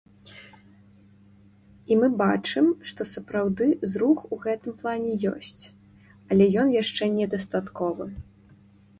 І мы бачым, што сапраўды зрух у гэтым плане ёсць, але ён яшчэ недастатковы.